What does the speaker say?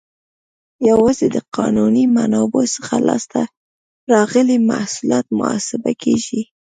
یوازې د قانوني منابعو څخه لاس ته راغلي محصولات محاسبه کیږي.